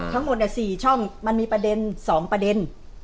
ทั้งหมด๔ช่องมันมีประเด็น๒ประเด็น